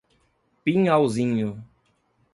Pinhalzinho